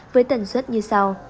với tần suất như sau